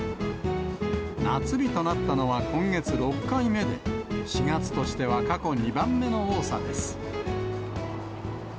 夏日となったのは今月６回目で、４月としては過去２番目の多さです。